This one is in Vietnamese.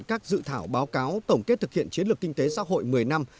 các dự thảo báo cáo tổng kết thực hiện chiến lược kinh tế xã hội một mươi năm